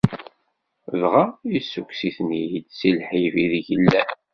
Dɣa yessukkes-iten-id si lḥif ideg llan.